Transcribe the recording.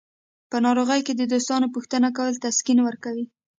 په ناروغۍ کې د دوستانو پوښتنه کول تسکین ورکوي.